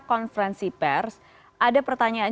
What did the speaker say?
konferensi pers ada pertanyaan